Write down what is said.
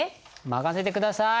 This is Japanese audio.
任せて下さい！